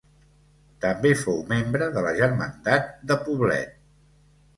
També fou membre de la germandat de Poblet.